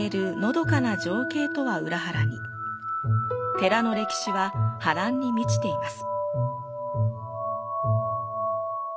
寺の歴史は波乱に満ちています。